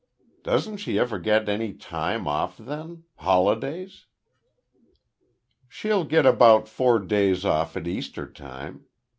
Doesn't she ever get any time off then? Holidays?" "She'll get about four days off at Easter time.